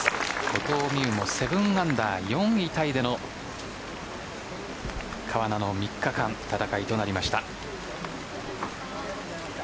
後藤未有の７アンダー４位タイでの川奈の３日間戦いとなりました。